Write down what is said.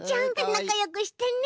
なかよくしてね。